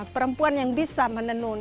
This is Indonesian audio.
perempuan yang bisa menenun